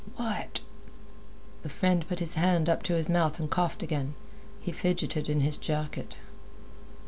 "What?" The friend put his hand up to his mouth and coughed again. He fidgeted in his jacket.